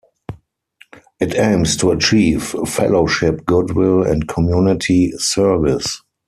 It aims to achieve "Fellowship, Goodwill and Community Service".